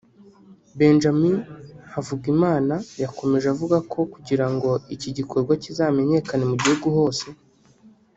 Benjamin Havugimana yakomeje avuga ko kugira ngo iki gikorwa kizamenyekane mu gihugu hose